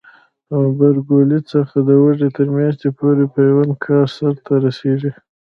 د غبرګولي څخه د وږي تر میاشتې پورې پیوند کاری سرته رسیږي.